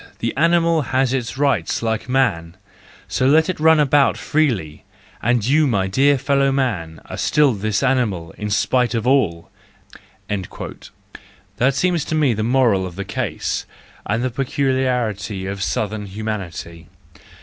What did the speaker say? "The animal has its rights like man, so let it run about freely; and you, my dear fellow man, THE JOYFUL WISDOM, II IO9 are still this animal, in spite of all!" — that seems to me the moral of the case, and the peculiarity of southern humanity.